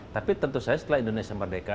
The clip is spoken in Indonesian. tapi tentu saja setelah indonesia merdeka